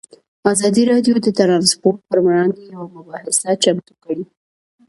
ازادي راډیو د ترانسپورټ پر وړاندې یوه مباحثه چمتو کړې.